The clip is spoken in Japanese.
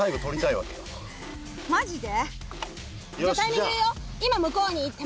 マジで？